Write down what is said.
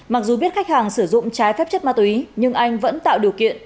mặc dù biết khách hàng sử dụng trái phép chất ma túy nhưng anh vẫn tạo điều kiện